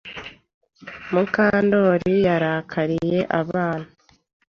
Mukandori yarakariye abana.